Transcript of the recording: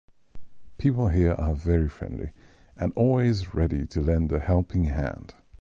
People here are very friendly and always ready to lend a helping hand.